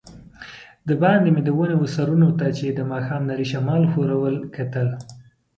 دباندې مې د ونو وه سرونو ته چي د ماښام نري شمال ښورول، کتل.